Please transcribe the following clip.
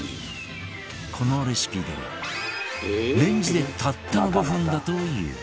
このレシピではレンジでたったの５分だという